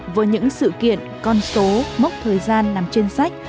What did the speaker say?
với những sự kiện con số mốc thời gian nằm trên sách